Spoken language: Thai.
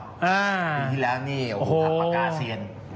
ปีที่แล้วนี่หักปากกาเสียง